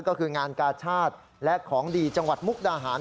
ก็คืองานกาชาติและของดีจังหวัดมุกดาหาร